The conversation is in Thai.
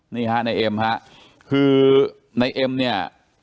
นี่ฮะนายเอ็มฮะคือนายเอ็มเนี้ย